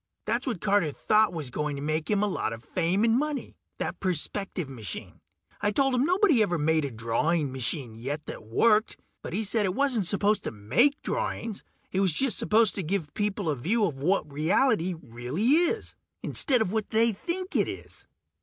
That's what Carter thought was going to make him a lot of fame and money, that perspective machine. I told him nobody'd ever made a drawing machine yet that worked, but he said it wasn't supposed to make drawings. It was just supposed to give people a view of what reality really is, instead of what they think it is.